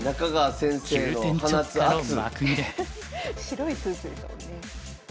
白いスーツですもんね。